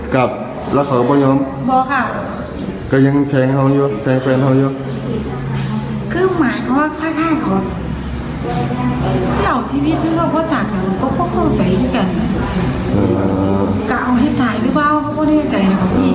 เขาก็เข้าใจด้วยกันเอาให้ถ่ายหรือเปล่าเขาก็ได้ใจนะครับพี่